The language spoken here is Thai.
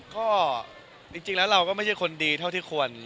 ก็จริงแล้วเราก็ไม่ใช่คนดีเท่าที่ควร